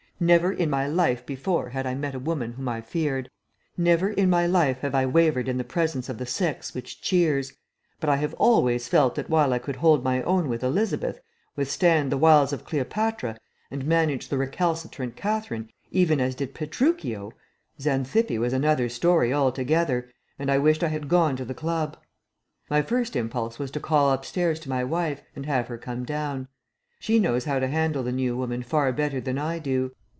Never in my life before had I met a woman whom I feared. Never in my life have I wavered in the presence of the sex which cheers, but I have always felt that while I could hold my own with Elizabeth, withstand the wiles of Cleopatra, and manage the recalcitrant Katherine even as did Petruchio, Xanthippe was another story altogether, and I wished I had gone to the club. My first impulse was to call up stairs to my wife and have her come down. She knows how to handle the new woman far better than I do.